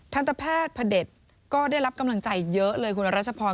ทันตแพทย์พระเด็จก็ได้รับกำลังใจเยอะเลยคุณรัชพร